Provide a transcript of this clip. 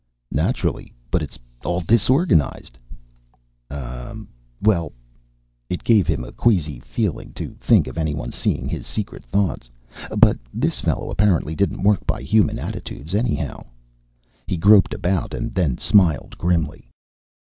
"Naturally. But it's all disorganized." "Umm. Well." It gave him a queasy feeling to think of anyone seeing his secret thoughts. But this fellow apparently didn't work by human attitudes, anyhow. He groped about, and then smiled grimly.